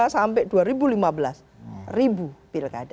dua ribu lima sampai dua ribu lima belas ribu pilkada